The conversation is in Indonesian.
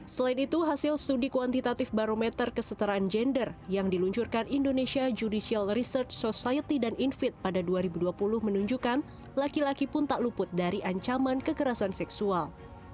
selain itu hasil studi kuantitatif barometer kesetaraan gender yang diluncurkan indonesia judicial research society dan infid pada dua ribu dua puluh menunjukkan laki laki pun tak luput dari ancaman kekerasan seksual